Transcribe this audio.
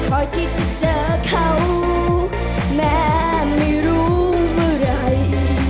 พอคิดจะเจอเขาแม่ไม่รู้เมื่อไหร่